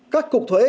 các cục thuế